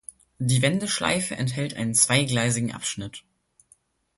Die Wendeschleife enthält einen zweigleisigen Abschnitt.